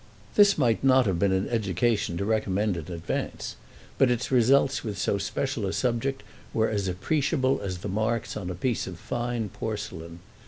This might not have been an education to recommend in advance, but its results with so special a subject were as appreciable as the marks on a piece of fine porcelain.